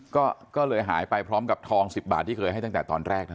ก็เลยหายไปพร้อมกับทอง๑๐บาทที่เคยให้ตั้งแต่ตอนแรกนะ